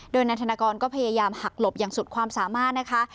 โดยนายธนกรก็พยายามหักหลบอย่างสุดความสามารถนะคะ